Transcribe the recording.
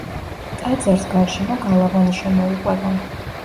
ტაძარს გარშემო გალავანი შემოუყვება.